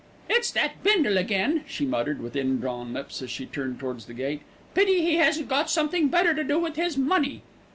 "It's that Bindle again," she muttered with indrawn lips as she turned towards the gate. "Pity he hasn't got something better to do with his money."